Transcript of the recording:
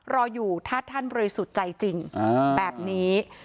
รออยู่ท่าท่านบริสุจัยจริงแบบนี้